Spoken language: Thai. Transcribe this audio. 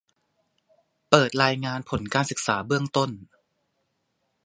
เปิดรายงานผลการศึกษาเบื้องต้น